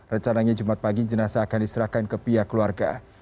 rencananya jumat pagi jenazah akan diserahkan ke pihak keluarga